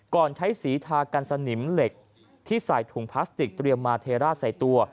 ใช้สีทากันสนิมเหล็กที่ใส่ถุงพลาสติกเตรียมมาเทราดใส่ตัว